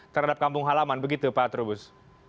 terhadap kampung halaman begitu pak trubus